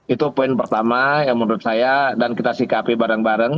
itu poin pertama yang menurut saya dan kita sikapi bareng bareng